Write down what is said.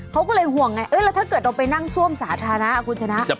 เขาก็เลยห่วงไงแล้วถ้าเกิดเราไปนั่งซ่วมสาธารณะคุณชนะ